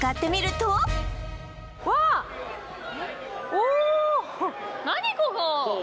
お何ここ？